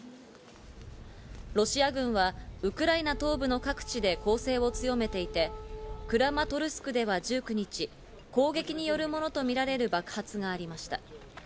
ロシア軍はウクライナ東部の各地で攻勢を強めていて、クラマトルスクでは１９日、攻撃によるものとみられる爆発がありました。